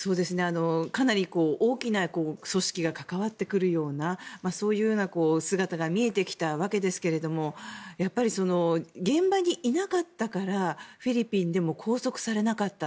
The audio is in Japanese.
かなり大きな組織が関わってくるようなそういうような姿が見えてきたわけですがやっぱり、現場にいなかったからフィリピンでも拘束されなかった。